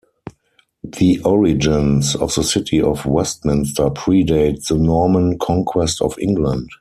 The origins of the City of Westminster pre-date the Norman Conquest of England.